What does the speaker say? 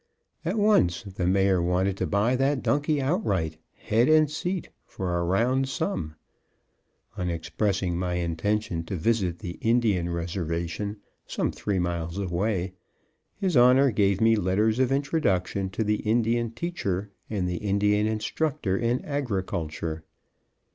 At once the Mayor wanted to buy that donkey outright, head and seat, for a round sum. On expressing my intention to visit the Indian Reservation, some three miles away, his Honor gave me letters of introduction to the Indian Teacher and the Indian Instructor in agriculture.